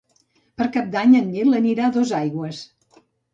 Per Cap d'Any en Nil anirà a Dosaigües.